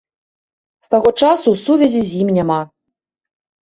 З таго часу сувязі з ім няма.